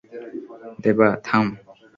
দেবা, থাম।